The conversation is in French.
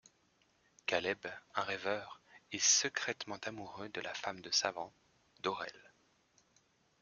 Kaleb, un rêveur, est secrètement amoureux de la femme de Savan, Dorel.